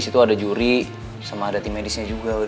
di situ ada juri sama ada tim medisnya juga